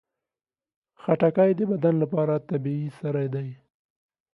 خټکی د بدن لپاره طبیعي سري دي.